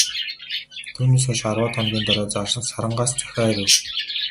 Түүнээс хойш арваад хоногийн дараа, Сарангаас захиа ирэв.